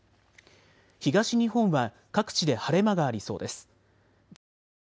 東日本は各地で晴れ間がありそうです。